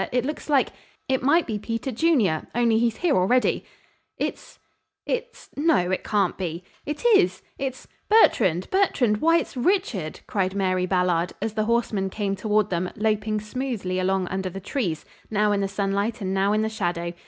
It looks like it might be Peter Junior, only he's here already." "It's it's no, it can't be it is! It's Bertrand, Bertrand! Why, it's Richard!" cried Mary Ballard, as the horseman came toward them, loping smoothly along under the trees, now in the sunlight and now in the shadow.